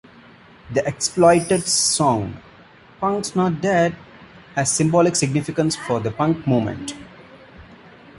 The Exploited's song "Punks Not Dead" has symbolic significance for the punk movement.